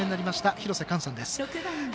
廣瀬寛さんです。